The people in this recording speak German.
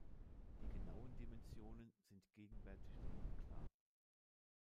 Die genauen Dimensionen sind gegenwärtig noch unklar.